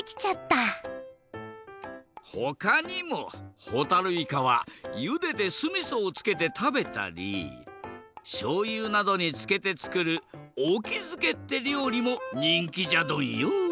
ほかにもほたるいかはゆでてすみそをつけて食べたりしょうゆなどにつけてつくるおきづけってりょうりもにんきじゃドンよ。